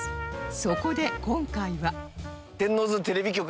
そこで今回は